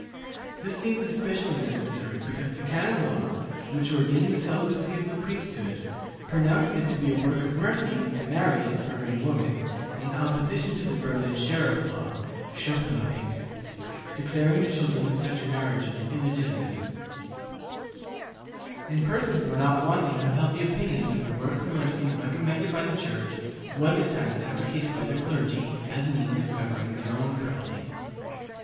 This seemed especially necessary, because the canon law, which ordained the celibacy of the priesthood, pronounced it to be a work of mercy to marry an erring woman, in opposition to the Berlin sheriff law (schoffen recht) declaring the children of such marriages illegitimate; and persons were not wanting who held the opinion that the work of mercy recommended by the Church was at times advocated by the clergy as a means of covering their own frailties.